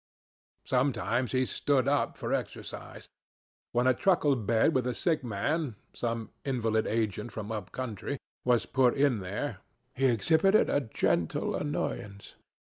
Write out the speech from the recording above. Sometimes he stood up for exercise. When a truckle bed with a sick man (some invalided agent from up country) was put in there, he exhibited a gentle annoyance.